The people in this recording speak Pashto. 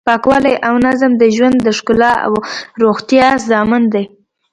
پاکوالی او نظم د ژوند د ښکلا او روغتیا ضامن دی.